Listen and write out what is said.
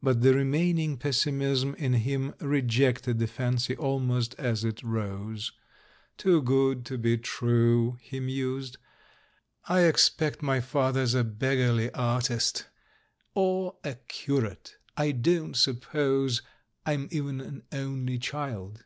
But the remaining pessimism in him rejected the fancy almost as it rose. "Too good to be true," he mused; "I expect my fa 334 THE MAN WHO UNDERSTOOD WOMEN ther's a beggarly artist, or a curate — I don't sup pose I'm even an only child.